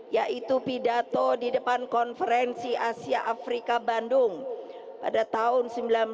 yaitu pidato di depan konferensi asia afrika bandung pada tahun seribu sembilan ratus sembilan puluh